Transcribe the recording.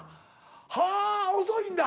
はあっ遅いんだ。